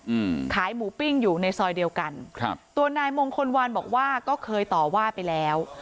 อืมขายหมูปิ้งอยู่ในซอยเดียวกันครับตัวนายมงคลวันบอกว่าก็เคยต่อว่าไปแล้ว